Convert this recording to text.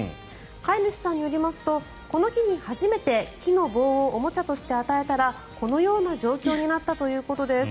飼い主さんによりますとこの日に初めて木の棒をおもちゃとして与えたらこのような状況になったということです。